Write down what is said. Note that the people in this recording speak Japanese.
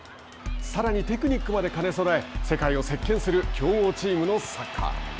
さらにテクニックまで兼ね備え世界を席けんする強豪チームのサッカー。